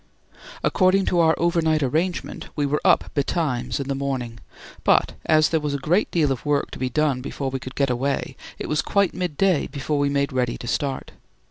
According to our over night arrangement, we were up betimes in the morning, but as there was a great deal of work to be done before we could get away, it was quite midday before we made ready to start.